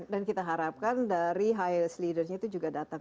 dan kita harapkan dari highest leader itu juga datang